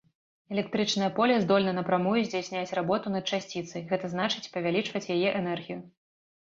Электрычнае поле здольна напрамую здзяйсняць работу над часціцай, гэта значыць павялічваць яе энергію.